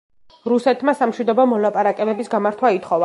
რუსეთმა სამშვიდობო მოლაპარაკებების გამართვა ითხოვა.